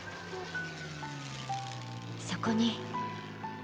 そこに。